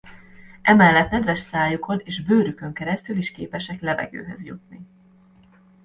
Emellett nedves szájukon és bőrükön keresztül is képesek levegőhöz jutni.